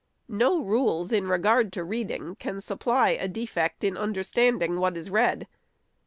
No rules, in regard to reading, can supply a defect in under standing what is read.